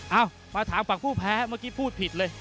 เอามาถามฝั่งผู้แพ้เมื่อกี้พูดผิดเลย